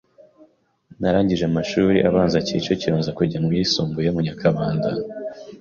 Narangije amashuri abanza Kicukiro nza kujya mu yisumbuye mu Nyakabanda